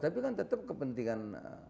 tapi kan tetap kepentingan